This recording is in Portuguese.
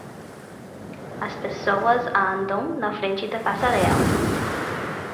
As pessoas andam na frente da passarela.